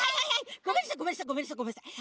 ごめんなさいごめんなさいごめんなさいごめんなさい。